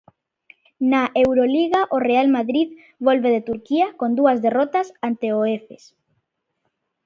Na Euroliga, o Real Madrid volve de Turquía con dúas derrotas ante o Efes.